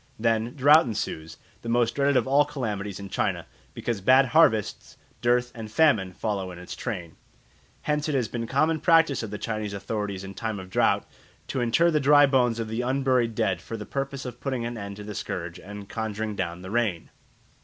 Then drought ensues, the most dreaded of all calamities in China, because bad harvests, dearth, and famine follow in its train. Hence it has been a common practice of the Chinese authorities in time of drought to inter the dry bones of the unburied dead for the purpose of putting an end to the scourge and conjuring down the rain.